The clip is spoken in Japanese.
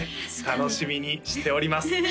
楽しみにしております